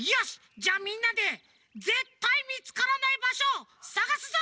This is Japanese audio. じゃあみんなでぜったいみつからないばしょさがすぞ！